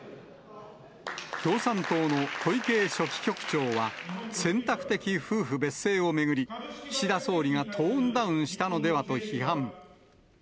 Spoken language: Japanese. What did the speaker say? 共産党の小池書記局長は、選択的夫婦別姓を巡り、岸田総理がトーンダウンしたのではと批判。